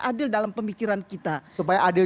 adil dalam pemikiran kita supaya adil